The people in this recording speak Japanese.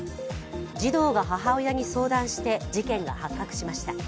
児童が母親に相談して事件が発覚しました。